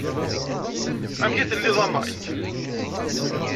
Amek i telliḍ a Mike?